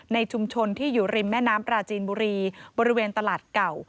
ในชุมชนที่อยู่ริมแม่น้ำปราจีนบุรีบริเวณตลาดเก่า